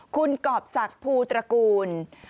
คุณกรอบศักดิ์ภูตระกูล